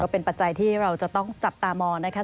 เป็นปัจจัยที่เราจะต้องจับตามองนะคะ